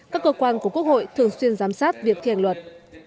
các cơ quan của quốc hội thường xuyên giám sát việc thiền luật